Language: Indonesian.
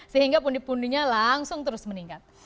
sehingga pundi pundinya langsung terus meningkat